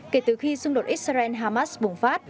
kể từ khi xung đột israel hamas bùng phát